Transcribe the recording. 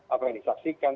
apa yang disaksikan